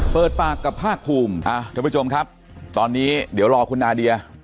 เปิดปากกับภาคภูมิท่านผู้ชมครับตอนนี้เดี๋ยวรอคุณนาเดีย